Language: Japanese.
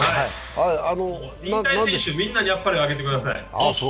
引退された選手、みんなにあっぱれあげてください。